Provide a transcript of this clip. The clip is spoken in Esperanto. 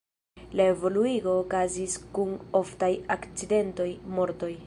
La evoluigo okazis kun oftaj akcidentoj, mortoj.